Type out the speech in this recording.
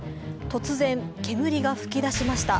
突然、煙が噴き出しました。